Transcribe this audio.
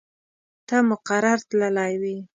ته مقر تللی وې.